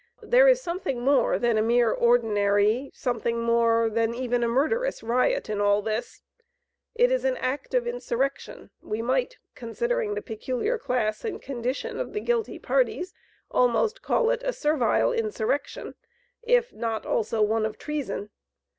There is something more than a mere ordinary, something more than even a murderous, riot in all this. It is an act of insurrection, we might, considering the peculiar class and condition of the guilty parties, almost call it a servile insurrection if not also one of treason.